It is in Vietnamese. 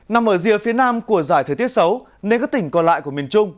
nằm ở rìa phía nam của giải thời tiết xấu nên các tỉnh còn lại của miền trung